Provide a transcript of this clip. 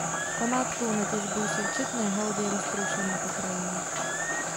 Památkou na těžbu jsou četné haldy roztroušené po krajině.